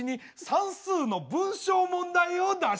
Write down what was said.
算数の文章問題とな。